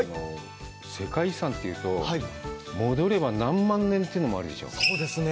世界遺産っていうと戻れば何万年っていうのもあるでしょそうですね